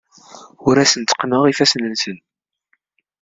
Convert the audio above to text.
Ur asen-tteqqneɣ ifassen-nsen.